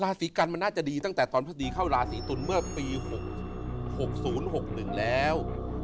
สีกันมันน่าจะดีตั้งแต่ตอนพฤษฎีเข้าราศีตุลเมื่อปี๖๐๖๑แล้ว